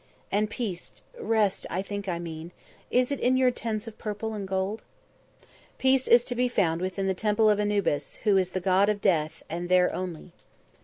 "And peace rest I think I mean is it in your Tents of Purple and Gold?" "Peace is to be found within the Temple of Anubis, who is the god of Death, and there only."